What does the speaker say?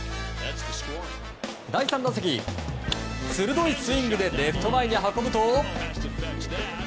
第３打席、鋭いスイングでレフト前に運ぶと。